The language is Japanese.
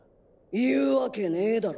言うわけねえだろ。